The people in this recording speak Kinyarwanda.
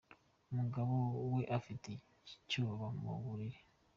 Umugabo aba afite icyoba mu buriri .